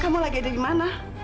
kamu lagi ada dimana